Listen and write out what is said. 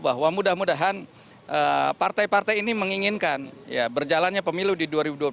bahwa mudah mudahan partai partai ini menginginkan berjalannya pemilu di dua ribu dua puluh